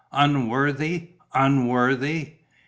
"Unworthy? Unworthy?"